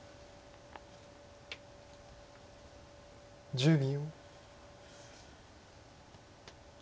１０秒。